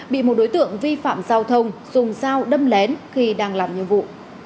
bị một đối tượng vi phạm giao thông dùng dao đâm lén khi đang làm nhiệm vụ